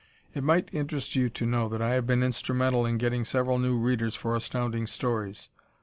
It might interest you to know that I have been instrumental in getting several new readers for Astounding Stories.